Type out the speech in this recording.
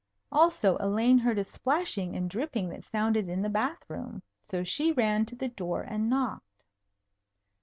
Also Elaine heard a splashing and dripping that sounded in the bath room. So she ran to the door and knocked.